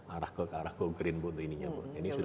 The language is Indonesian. arah ke arah go green bu untuk ininya bu